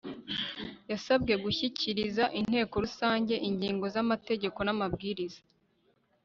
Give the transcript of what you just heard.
yasabwe gushyikiriza inteko rusange ingingo z'amategeko n'amabwiriza